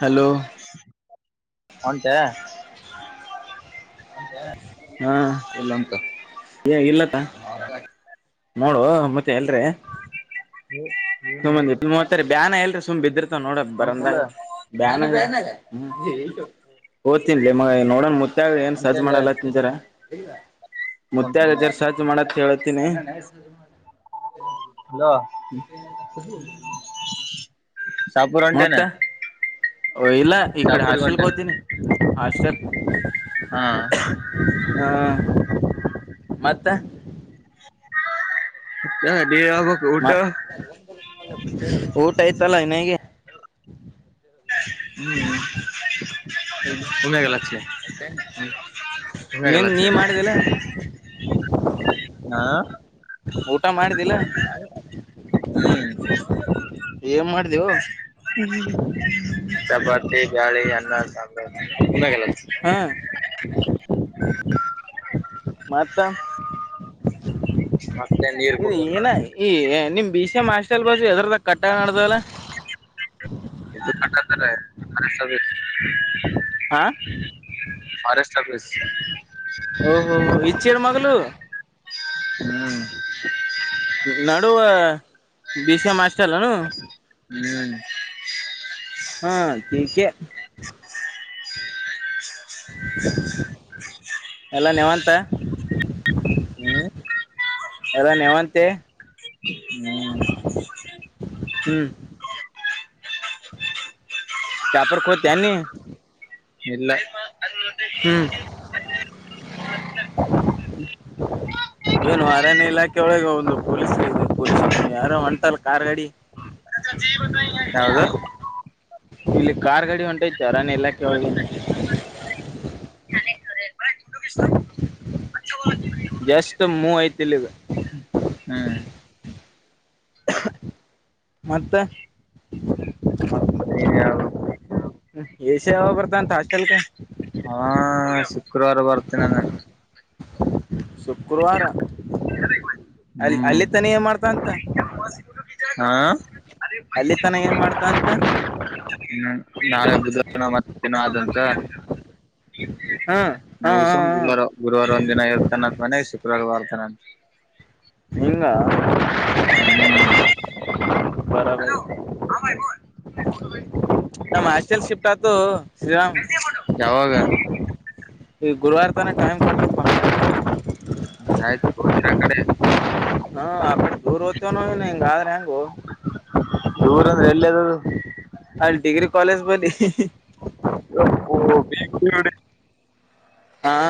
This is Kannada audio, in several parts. ಹಲೋ ಹಟ [inaudible] [unintelligible] ಹಾ ಇಲ್ಲ ಉಂತು ಏ ಇಲ್ಲತ್ತ ನೋಡು ಮತ್ತೆ ಎಲ್ರೀ ಸುಮ್ಮಂದ ಇಟ್ ಮೂವತ್ತರಿ ಬ್ಯಾನ ಎಲ್ರಿ ಸುಮ್ ಬ ಇದಿದಿರ್ತಾವ ನೋಡ ಒಂಟಿಲ್ಲ ಬರಂದಾಗ ಬಾನ ಹ್ಮ್ ಓದ್ತಿನ್ಲಲಿ ಮ ನೋಡೋಣ ಮುತ್ತಾಗ ಏನ್ ಸಜ್ ಒಂಟೆಲ್ಲ ಮಾಡಲ್ಲತ್ಜಾರ ಮುತ್ತಗ ಜರ್ ಸಹಜ ಮಾಡತ್ ಹೇಳತೀನಿ ಅಲ [unintelligible] ಪುರ್ ಅಂಟೆನೆ ಓ ಇಲ್ಲ ಇಕ್ಕಡೆ ಹಾಸ್ಟೆಲ್ಗೆ ಕೊತೀನಿ ಹಾಸ್ಟೆಲ್ ಹ್ಮ್ ಹಾ ಮತ್ತೆ ಡಬ ಊಟ ಮ ಊಟ ಆಯ್ತಲ್ಲ ಇನಗೆ ಹ್ಮ್ ಹ ಒಮ್ಮೆಗಲ್ಲ ಹಚ್ಚಿ ಹ ನೀನ್ ಒಮ್ಮೆಗಲ್ಲ ನೀ ಹಚ್ಚಿ ಮಾಡುದಿಲ್ಲ [inaudible] ಹಾ ಊಟ ಮಾಡಿದ್ದಿಲ್ಲ ಹ್ಮ್ ಏನ್ ಮಾಡ್ದವು ಚಪಾತಿ ಜಾಳ ಅನ್ನ ಸಾಾಮ ನ್ನ ಕಲ್ಲ ಹಾ ಮತ್ತ ಮತ್ತೆ ನೀರ್ ಇದು ಕುಡ್ದು ನೋಡ ಏನ ಈ ನಿಮ್ ಮಾಸ್ ಅಲ್ ಬಸ ಎದ್ರದ ಕಟ್ಟ ನಡ್ದಲ್ಲ ಹ ಸ ಆಾ ಫಾರೆಸ್ಟ್ ಆಫೀಸ್ ಓಹೋ ಇಚ್ಚರ ಮಾಗಲು ಹ್ಮ್ ನಡುವ ಬಿ ಸಿ ಎ ಮಾಸ್ರ್ ಅಲ್ಲನು ಹ್ಮ್ ಹಾ ಕಗೆೆ ಎಲ್ಲ ನಿಮಂತ ಹ್ಮ್ ಅಲ್ಲನ್ ಯವಂತೆ ಹ್ಮ್ ಹ್ಮ್ ಶಾಪರ್ಖೋತ ನೀ ಎಲ್ಲ ಹ್ಮ್ ಏನು ಅರಣ್ಯ ಇಲಾಖೆ ಒಳಗೆ ಒಂದು ಪೊಲೀಸ್ ಪೊಲೀಸ್ ಯಾರೋ ಒಂಟಲ್ಲ ಕಾರ್ ಗಾಡಿ [inaudible] ಯಾವದು ಇಲ್ಲಿ ಕಾರ್ ಗಡಿ ಹೊಂಟೈತ್ತು ರಾನ ಇಲ್ಲಾಖೆ ಒಳಗೆ ಎಷ್ಟು ಮೂವ ಐತಿಲ್ದೆ ಹ್ಮ್ ಮತ್ತೆ ಮತ್ತ ನೀನ್ ಹೇಳ್ಬೇಕು ಹ್ಮ ಏಸ ಬರ್ತಂತ ಆ ಚಲ್ಕ ಹಾ ಶುಕ್ರವಾರ ಬರ್ತೇನ ನಾನ್ ಶುಕ್ರವಾರ ಅಲ್ಲಿ ಹ್ಮ್ ಅಲ್ಲಿ ತಾನಿ ಏನ್ ಮಾಡ್ತ ಅಂತ ಹಾ ಅಲ್ಲಿ ತನ ಏನ್ ಮಾಡ್ತ ಅಂತ ಹ್ಮ್ ನಾಳೆ ಬುದ್ರ ಮತ್ತ ದಿನ ಆದಂತ ಹಾ ಹಾ ನೀಸ್ ಹಾ ಹಾ ಗುರುವಾರ ಗುರುವಾರ ಒಂದ್ ದಿನ ಎವ ತ ಮನೆಸ ಚುಾರ ಮಾಡಡ್ತಾನ ಹಂಗ ಬರಬರಿ ಹ್ಮ್ ನಮ್ಮ ಆಸ್ಲ್ ಶಿಫ್ಟ್ ಆತು ಶ್ರೀರಾಮ್ ಯಾವಾಗ ಈ ಗುರುವಾರ ತಾನ ಟೈಮ್ ಕೊ ಆಯ್ತ ಗತರ ಕಡೆ ಹಾ ಅ ದೂರ್ ಓ್ತೇವನ ಇ ಹಂಗಾದ್ರೆ ಹೆಂಗ ಹ್ಮ ಅಲ್ಲಿ ಡಿಗ್ರಿ ಕಾಲೇಜ್ ಬಲಿಿ ಇ ಆಾ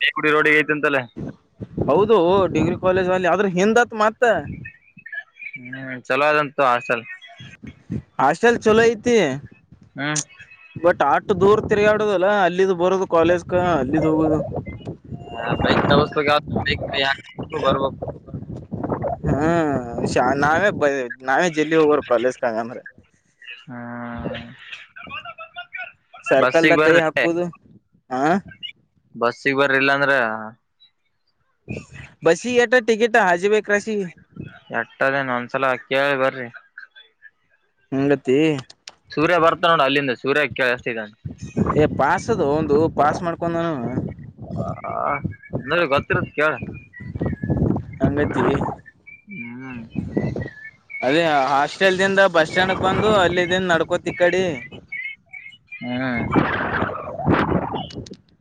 ದಪುಡಿ ರೋಡಿಗೆ ಐತೆಂತಲ್ಲ ಹೌದು ಡಿಗ್ರಿ ಕಾಲೇಜ್ ಅಲ್ಲಿ ಆದದ್ರ ಹಿಂದತ್ ಮತ್ತ ಹ್ಮ್ ಚಲೋ ಅದಂತು ಆಸಲ್ ಆಷ್ಟಟಲ್ ಚಲ ಐತಿ ಹ್ಮ ಅಷ್ಟು ದೂರ್ ತಿರುಗಾಡುದಲ್ಲಾ ಅಲ್ಲಿಿದು ಬರೋದು ಕಾಲೇಜ್ ಕ ಅಲ್ಲಿಿದ ಹೋಗೋದು ಹಾ ಬ್ರೈಕ್ ತಗಸ್ಬೇಕ ಯ ಬರ್ಬೇಕು ಹ್ಮ್ ಶಾ ನಾವೇ ಬರ ನಾವೇ ಜಲ್ಲಿಿ ಒಬ್ವರು ಕಾಲೇಜ ಕಂಗಂದ್ರೆ ವ ಬ ಸರ್ಕಲ್ ದಾಗಾ ಕೈ ಹಾಕುದು ಆ [unintelligible] ಬಸಿಗ್ ಬರಿ ಇಲ್ಲ ಅಂದ್ರ? [unintelligible] ಬಸಿಗ ಎಟ ಐತಿ ಟಿಕೆಟ್ ಹಾಜಿಬೇ ಕ್ರಾಸ್ ಗೆ [unintelligible] ಎಟ್ಟದೇನ ಒಂದ್ಸಲ ಕೇಳಿ ಬರ್ರಿ. [unintelligible] ಹಂಗತಿ. [unintelligible] ಸೂರ್ಯ ಬರ್ತಾ ನೋಡ ಅಲ್ಲಿಂದ ಸೂರ್ಯಗ ಕೇಳ? [unintelligible] ಏ ಪಸ್ ಅದೋ ಅವಂದು ಪಾಸ್ ಮಾಡ್ಕೊಂಡಾನ ಅವ? [unintelligible] ಆ ನನಗ ಗೊತ್ತಿರತ್ ಕೇಳ? [unintelligible] ಹಂಗಂತಿ. [unintelligible] ಹೂ [unintelligible] ಅದೇ ಹಾಸ್ಟೆಲ್ ದಿಂದ ಬಸ್ ಸ್ಟ್ಯಾಂಡ್ಕ್ ಬಂದು ಅಲ್ಲಿದ್ದಿಂದ ನಡ್ಕೋತಿ ಈ ಕಡಿ. [unintelligible] ಹ [unintelligible]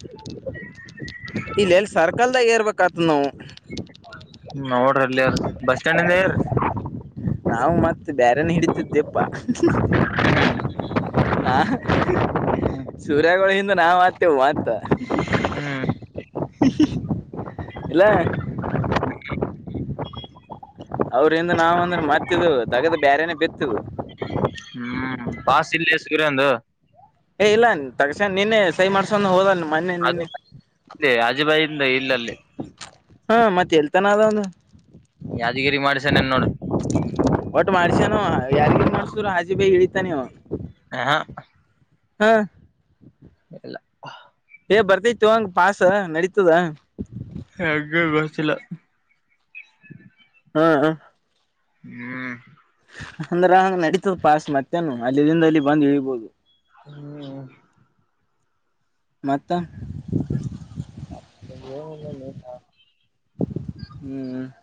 ಇಲ್ಲೇ ಎಲ್ಲಿ ಸರ್ಕಲ್ದಾಗ ಏರ್ಬೇಕ? [unintelligible] ನೋಡ್ರಿ ಅಲ್ಲಿ ಯರ ಬಸ್ ಸ್ಟ್ಯಾಂಡಗ ನಿಯರ್ [unintelligible] ನಾವು ಮತ್ತ ಬೇರೆನ ಹಿಡಿತಿದ್ದೆಪ್ಪಾ? [unintelligible] ಹು ಹು [unintelligible] ಆ ಸೂರ್ಯಾಗೋಳ ಹಿಂದ ನಾ ಹತ್ತಿವು ಮತ್ತ [unintelligible] ಹೂ [unintelligible] ಇಲ್ಲ? [unintelligible] ಓಕೆ. [unintelligible] ಅವ್ರಿಂದ ನಾವ ಅಂದ್ರ ಮತ್ತ ಇದು ದಗದ ಬ್ಯಾರೆನೆ ಬಿತ್ತಿ ಇದು [unintelligible] ಹೂ ಪಾಸ್ ಇಲ್ಲ ಲೇ ಸೂರ್ಯನಂದು? [unintelligible] ಏ ಇಲ್ಲ ತಕ್ಷನಾ ನಿನ್ನೇ ಸೈ ಮಾಡ್ಸಕೊಂದ ಹೋದಲ್ಲ. [unintelligible] ಅದು [inaudible] ಆಜು ಬಾಜು ಹಿಂದ ಇಲ್ಲಲ್ಲೇ? [unintelligible] ಹಾ ಮತ್ತ ಎಲ್ತಾನ ಅದಲಾ? [unintelligible] ಯಾದಗಿರಿ ಮಾಡ್ಸಾನ್ ಏನ್ ನೋಡ? [unintelligible] ಒಟ್ಟ ಮಾಡ್ಸ್ಯಾನ ಯಾರಿಗ ಮಾಡಸರು ಹಾದಿ ಬಾಯಿಗೆ ಇಳಿತಾನ ಇವ? [unintelligible] ಹ ಹ [unintelligible] ಇಲ್ಲ ಪಾ [unintelligible] ಏ ಬರ್ತತೆ ಓ ಅವಂಗ ಪಾಸ್ ನಡಿತದ [unintelligible] ನಂಗ್ ಏನ್ ಗೊತ್ತ ಇಲ್ಲ? [unintelligible] ಹ ಅ [unintelligible] ಹೂ [unintelligible] ಅಂದರ ನಡೀತದ ಪಾಸ್ ಮತ್ತೇನು ಅಲ್ಲಿಇಂದ ಇಲ್ಲಿ ಬಂದ್ ಇಳಿ ಬೋದು. [unintelligible] [unintelligible] ಮತ್ತ? [unintelligible] ಅಷ್ಟೊಂದು ಏನಿಲ್ಲ ಲೇ ಪಾ? [unintelligible] ಹೂ [unintelligible]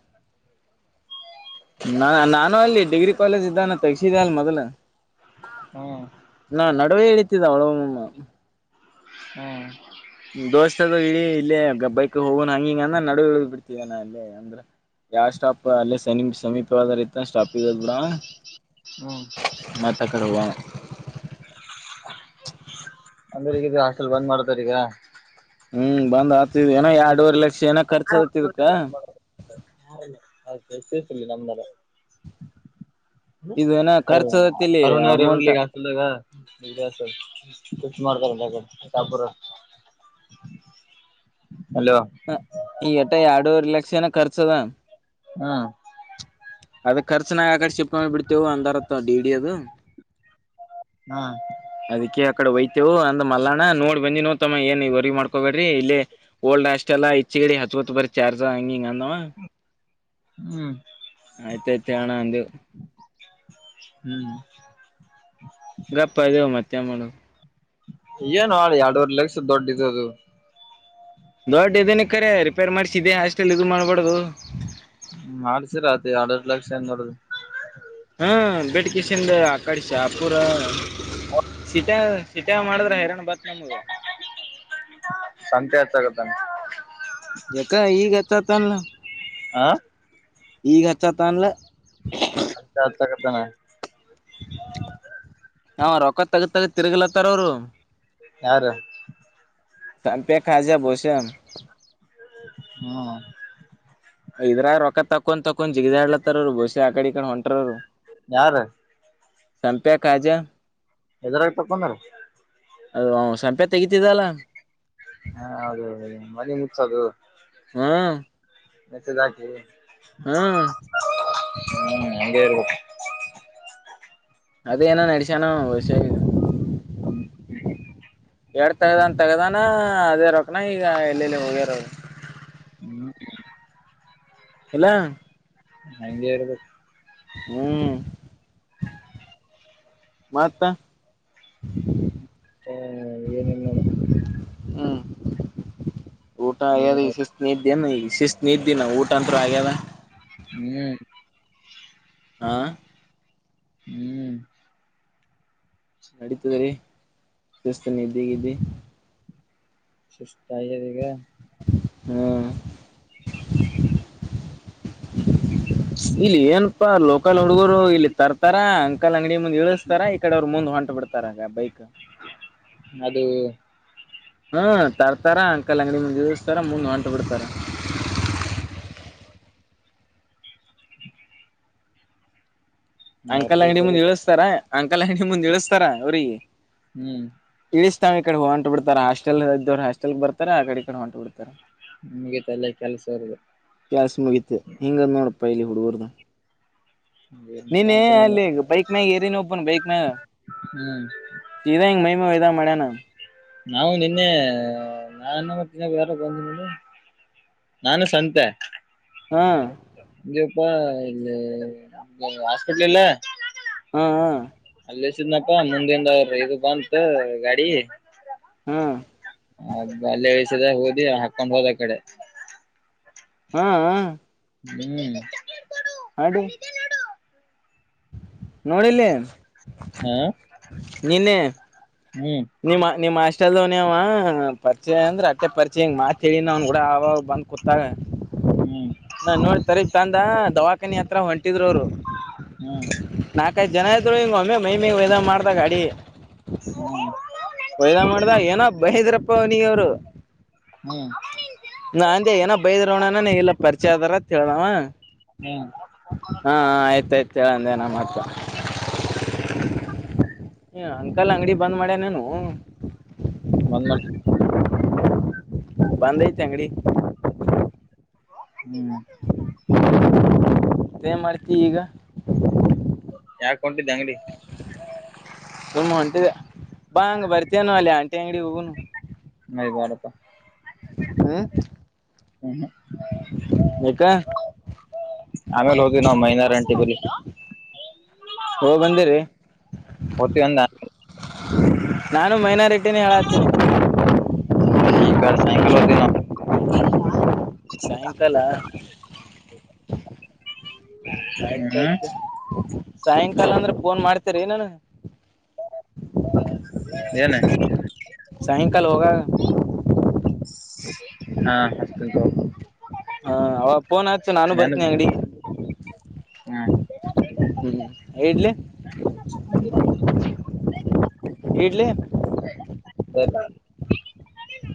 ನಾ ನಾನು ಅಲ್ಲಿ ಡಿಗ್ರಿ ಕಾಲೇಜ್ ಇದ್ದಾಗ ತಗಸಿದ ಅಲ್ಲ ಮೊದಲ? [unintelligible] ಹಾ ಹ್ಮ್ ನಾ ನಡುವೆ ಇಳಿತ್ತಿದ್ದ ಅವಳಮ್ಮ [unintelligible] ಹೂ [unintelligible] ದೋಸ್ತ ಅದು ಇಳಿ ಇಲ್ಲೇ ಗಬ್ಬೈಕ್ ಹೋಗಣ ಹಂಗಿಂಗ ಅಂದ ನಡು ಇಳದ ಬಿಡ್ತಿ ಏನ ಅಲ್ಲೇ ಅಂದ್ರ? [unintelligible] ಯಾವ ಸ್ಟಾಪ್ ಅಲ್ಲೇ ಸನೀಪ ಸಮೀಪ ವಾದ ರೀತಿ. [unintelligible] ಇತ ಸ್ಟಾಪ್ ಗೆ ಹೊಗಿ ಬಿಡಾವ ಹ್ಮ್ ಮತ್ತ ಆಕಡೇ ಹೋಗಾವ? [unintelligible] ಅಂದ್ರ ಈಗ ಅಂಕಲ್ ಬಂದ್ ಮಾಡ್ತಾರ ಈಗ. [unintelligible] ಹೂ ಬಂದ ಆತ. [unintelligible] [inaudible] [unintelligible] ಇರತೇತಿ ರೀ ನಮ್ಮದರ [unintelligible] ಏನ್ ಇದು ಏನೋ ಅಯ ಖರ್ಚದತ್ತ ಇಲ್ಲಿ ಅರುಣ ಅಮೌಂಟ್ ಅವ್ರಲ್ಲಿಗ ಹತಲ್ಗ? [unintelligible] ಹಿಂಗ್ ಏಕ ಆದ ಇಸ ರೆಸ್ಟ್ ಮಾಡತ್ತೇನೆ ಮನ್ಯಾಗ ಬಿಜಾಪುರ್ [unintelligible] [unintelligible] ಹ ಈ ಎಟ ಎರಡೂರೆ ಲಕ್ಷ ಏನ ಖರ್ಚದ ಹಾ ಅದ ಖರ್ಚನಾಗ ಆಕ ಶಿಪ್ಕೊಂಡ್ ಬಿಡ್ತೇವು ಅಂದ ಡಿ ಅದು ಅದಕ್ಕೆ ಅಡೆ ವೈ ವು ಅಂದ್ ಮಲ್ಲಾಣ್ಣ ನೋಡ್ ಬನ್ನಿ ನೋ ತಮ್ಮ ಏನ್ ಇವರ್ಗಿ ಮಾಡ್ಕೋಬೇರಿ ಇಲ್ಲಿ ಓಲ್ಡ್ ಅಷ್ಟೆಲ್ಲಾ ಹೆಚ್ಚಿ ಗಿ ಹಚ್ಚ ಬರಿ ಚಾರ್ಜ ಹಂಗಿಂಗ ಹ್ಮ್ ಹ್ಮ್ ಆಯತ ಐತ ಅಣ್ಣ ಅ ಹ್ಮ್ ಗಪ್ಪದಿವೋ ಮತ್ತೆ ಮಾಡ ಏನ್ ಎರಡವರ್ ಲಾಕ್ಸ್ ದೊಡ್ಡಿದ್ದದು ದೊಡ್ಡ ಇದನ ಕರೆ ರಿಪೇರ್ ಮಾಡ್ಸಿದ್ದ ಹಾಸ್ಟೆಲ್ ಇದು ಮಾಡ್ಬಡದು ಮಾಡ್ಸರಾತ ಎರಡುರಡು ಲಕ್ಷ ಹೆಂಗ ನಡದು ಹಾಂ ಬೆಡ್ ಕಿಶನ್ ಆ ಕಡಿ ಸ ಅಪುರ ಚೀಟ ಚೀಟ ಮಾಡಿದ್ರ ಹೈರಣರಣ್ ಬತ್ ನಮಗೆ ಸಂತೆ ಹಚ್ಚಗತ್ತಾನ ಜಕ್ಕ ಈಗ ಅತ್ತತಲ್ ಆಾ ಈಗಚ್ಚ ತಲೆ ಅತ್ತಕತಾನ ಹಾ ರೊಕ್ಕ ತಗದ ತಗ ತಿರುಗಲತ್ತಾರ ಅವರು ಯಾರು ಸಂಪೇಖಾಜಾ ಬಸಾಮ ಹ್ಮ್ ಇದ್ರ ರೊಕ್ಕ ತಕೊಂಡ್ ತೊಕೊಂಡ್ ಜಿಗದಾಡ್ಲತ್ತಾರರು ಬಸಿ ಆಕಡಿ ಈ ಕೊಂಡ ಹೊಂಟರರು ಯಾರು ಸಂಪ್ಯಾ ಕಾಜ್ಯ ಹೆದರಾಗ ತಕೊಂಡ್ರ ಅದು ಸಂಪೆ ತೆಗತಿದ್ದಲ್ಲ ಹಾ ಹೌದೌದು ಮನೆ ಮುಗ್ಸದು ಹ್ಮ ಮೆಸೇಜ್ ಹಾಕಿ ಹ್ಮ್ ಹಾಗೇ ಇ ಅದ ಏನ ನಡಸಾನು ವಿಷ ಎರಡ್ ತಗ್ದನ್ ತಗ್ದಾನ ಅದೇ ರೊಕ್ನ ಈಗ ಎಲ್ಲೆಲ್ಲಿ ಹೋಗ್ಯಾರ ಹ್ಮ ಇಲ್ಲ ಹಂಗಗೆರಬೇಕ ಹ್ಮ್ ಮತ್ತ ಹ್ಮ ಏನೇನ್ ನೋಡ ಹ್ಮ್ ಊಟ ನೀನೇ ಆಗ್ಯದ ಈಗ ಹೇಳ್ಬೇಕು ಶಿಸ್ತ್ ನಿದೇನ್ ಈಗ ಶಿಸ್ತ್ ನಿದ್ದಿ ಊಟ ಅಂತ್ರು ಆಗ್ಯದ ಹ್ಮ ಹಾ ಹ್ಮ್ ನಡೀತದ ರೀ ಸಿಸ್ತ ನೀದ್ದೀ ಗಿದ್ದಿ. ಸುಸ್ತ ಆಗೆದ ಇಗ. ಹಾ ಇಲ್ಲಿ ಏನಪಾ ಲೋ ಕಲ್ ಹುಡುಗರು ಇಲ್ಲಿ ತರ್ತಾರ ಅಂಕಲ್ ಅಂಗಡಿ ಮುಂದ ಇಳಿಸ್ತಾರ ಈ ಕಡೆ ಅವ್ರ ಮುಂದ ಹೊಂಟ್ ಬಿಡ್ತಾರ ಬೈಕ್. ಅದು ಹ್ಮ್ ತರ್ತಾರ ಅಂಕಲ್ ಅಂಗಡಿ ಮುಂದ ನಿಲ್ಸ್ತಾರ ಮುಂದ ಹೊಂಟ ಬಿಡ್ತಾರ. ಅಂಕಲ್ ಅಂಗಡಿ ಮುಂದ ಇಳಸ್ತಾರ ಅಂಕಲ್ ಅಂಗಡಿ ಮುಂದ ಇಳಿಸ್ತಾರ ಅವ್ರೀಗಿ. ಹ್ಮ್. ಇಕಡಿ ಹೊಂಟ್ ಬಿಡ್ತಾರ ಹಾಸ್ಟೆಲ್ ಇದ್ದವ್ರ ಹಾಸ್ಟೆಲ್ಕ ಬರ್ತಾರ ಆ ಕಡೆ ಈಕಡೆ ಹೊಂಟು ಬಿಡ್ತಾರ. ಮುಗಿತ ಎಲ್ಲ ಕೆಲಸ ಇರೋದು ಕೇಲ್ಸ ಮುಗಿತ ಹಿಂಗ್ ನೋಡಪ್ಪ ಇಲ್ಲಿ ಹುಡುಗರ್ದ. ನೀನ್ನಿ ಅಲ್ಲಿ ಬೈಕ್ ಮ್ಯಾಗ ಏರಿನ್ ಒಬನ್ ಬೈಕ್ ಮ್ಯಾಗ. ಹ್ಮ್ ಸಿಧಾ ಹಿಂಗ ಹೋಯಿದಂಗ್ ಮಾಡ್ಯಾನ್. ನಾವು ನಿನ್ನೆ ನಾನು ಮತ್ತ ಇನ್ನೊಬ್ಬ ಯಾರು ಬಂದ್ರು ಇಲ್ಲಿ. ನಾನು ಸಂತೇ. ಹಾ ಇಲ್ಲಿಪಾ ಇಲ್ಲಿ ಅ ಹಾಸ್ಪಿಟ್ಲ್ ಇಲ್ಲ. ಹ್ಮ ಹ್ಮ್. ಇಲ್ಲಿಸಿದ್ನಪ್ಪಾ ಮುಂದಿಂದ ಅವ್ರ ಇದು ಬಂತ ಗಾಡಿ. ಹ್ಮ್. ಅದ ಅಲ್ಲೆ ಇಳ್ಸಿದ ಹೋದಿ ಹಾಕೊಂಡ್ ಹೋದ ಈಕಡೆ. ಹ್ಮ್ ಹ. ಹ್ಮ್. ಹಡಿ. ನೋಡಿಲ್ಲ ನೀ ಹಾ ನಿನ್ನೆ. ಹ್ಮ್ ನಿಮ್ಮ ನಿಮ್ಮ್ ಹಾಸ್ಟೆಲ್ ದು ನಿವಾ ಪರಿಚಯ ಅಂದ್ರೆ ಅಟ್ಟೆ ಪರಿಚಯ ಹಂಗ ಮಾತ ಹೇಳಿನ ಅವ್ನ ಕೂಡ ಅವಾಗ ಅವಾಗ್ ಬಂದ್ ಕುತ್ತಾಗ. ಹ್ಮ್ ನನ್ನ ನೋಡಿ ತಾರೀಬಿ ತಂದಾ ದವಾಖಾನಿ ಹತ್ರ ಹೊಂಟಿದ್ರು ಅವ್ರ. ಹ್ಮ್ ನಾಕೈದ ಜನ ಇದ್ರೂ ಹಿಂಗ ಒಮ್ಮೆ ಮೈ ಮ್ಯಾಗ್ ಹೋಯಿದಾಂಗ ಮಾಡ್ದ ಗಾಡಿ. ಹ್ಮ. ಓಯ್ ದಾಂಗ್ ಮಾಡ್ದ ಏನ ಬೈದ್ರಪ್ಪ ಅವನಗ ಅವರು. ಹ್ಮ್ ನಾ ಅಂದೆ ಏನೋ ಬೈದ್ರೋಣನ ಇಲ್ಲ ಪರಿಚಯ ಆದಾರ ಅತ್ ಹೇಳ್ದ ಅಂವಾ. ಹ್ಮ್ ಹಾ ಆಯ್ತಾಯ್ತ ಹೇಳಂದೇ ನ ಮತ್ತ. ಹ ಅಂಕಲ್ ಅಂಗಡಿ ಬಂದ್ ಮಾಡ್ಯನೇನು. ಬಂದ. ಬಂದ ಐತಿ ಅಂಗಡಿ. ಹ್ಮ. ತೇ ಏನ್ ಮಾಡ್ತಿ ಇಗ. ಯಾಕ ಹೊಂಟಿದಿ ಅಂಗಡಿಗಿ. ಸುಮ್ಮ ಹೊಂಟಿದೆ ಬಾ ಹಂಗ ಬರ್ತೇನ ಅಲ್ಲಿ ಆಂಟಿ ಅಂಗಡಿ ಹೋಗುನು. ಏ ಬ್ಯಾಡಪಾ. ಹ ಯಕ. ಆಮೇಲೆ ಹೋದ ನಾವ ಮೈನಾರಂಟಿ ಬಗ್ಗೆ. ಹೋಗ ಬಂದಿರಿ ಹೋತಿವಿ ಅಂದ್ನ ನಾನು ಮೈನ ಟ್ಟ ಹೇಳತೀನಿ. ಹಲೋ ದಿನ್ನ ಸಾಯಂಕಾಲ ಹ್ಮ್ ಆಯ್ತಾಯ್ತು ಸಾಯಂಕಾಲ ಅಂದ್ರ ಫೋನ್ ಮಾಡ್ತೇರಿ ಇಲ್ಲ. ನ [unintelligible] ಸಹ ಕಲ್ ಹೋಗ ಹಾ ಹತ. ಹಾ ಅವ ಪೋನ್ ಆಸು ನಾನು ಬರ್ತೀನಿ ಅಂಗಡಿ. ಹಾ ಹ್ಮ್ ಇಡ್ಲಿ. ಇಡ್ಲಿ. ಸ [inaudible]